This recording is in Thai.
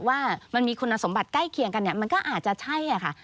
ว่ามันมีคุณสมบัติใกล้เคียงกันเนี่ยมันก็อาจจะใช่ค่ะ